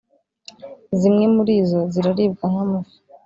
zimwe muri zo ziraribwa nk’amafi ,